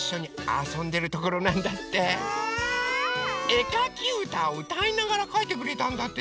えかきうたをうたいながらかいてくれたんだって！